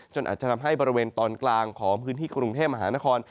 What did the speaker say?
อาจจะทำให้บริเวณตอนกลางของพื้นที่กรุงเทพมหานคร